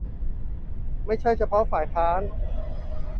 ไม่ใช่เฉพาะฝ่ายค้าน